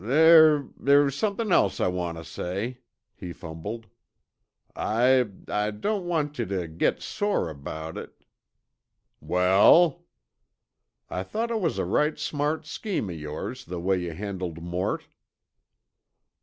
"There there's somethin' I wanted tuh say," he fumbled. "I I don't want yuh tuh git sore about it...." "Wal?" "I thought it was a right smart scheme of yores, the way yuh handled Mort."